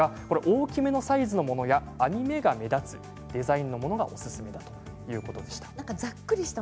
大きめのサイズのものや編み目が目立つデザインのものがおすすめだということでした。